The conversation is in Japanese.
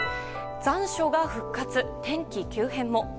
残暑が復活、天気急変も。